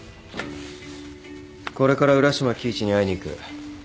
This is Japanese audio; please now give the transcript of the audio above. これから浦島亀一に会いに行く。